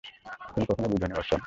তুমি কখনোই বুঝোনি, ওরসন।